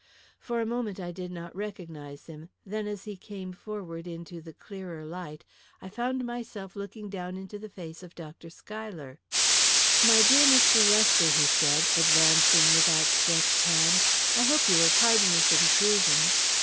For a moment I did not recognise him, then as he came forward into the clearer light, I found myself looking down into the face of Dr. Schuyler. "My dear Mr. Lester," he said, advancing with outstretched hand, "I hope you will pardon this intrusion."